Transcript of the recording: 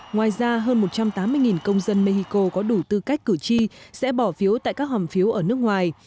ngoài ra hơn một trăm tám mươi công dân mexico có đủ tư cách cử tri sẽ bỏ phiếu tại các hòm phiếu ở nước ngoài